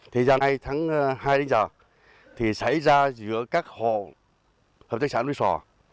thời gian nay tháng hai đến giờ thì xảy ra giữa các hộ hợp tác xã nuôi sò